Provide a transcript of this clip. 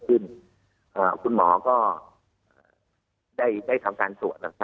คุณหมอก็ได้ทำการตรวจ